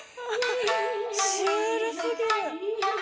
シュールすぎる。